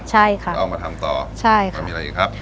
ใช่ค่ะเอามาทำต่อใช่ค่ะแล้วมีอะไรอีกครับ